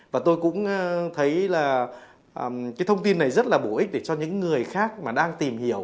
và tôi cũng thấy là cái thông tin này rất là bổ ích để cho những người khác mà đang tìm hiểu